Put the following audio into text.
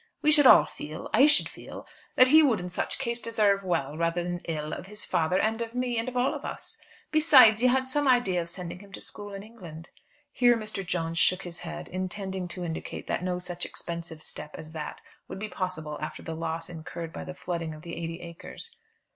We should all feel, I should feel, that he would in such case deserve well, rather than ill, of his father and of me, and of all of us. Besides you had some idea of sending him to school in England." Here Mr. Jones shook his head, intending to indicate that no such expensive step as that would be possible after the loss incurred by the flooding of the eighty acres.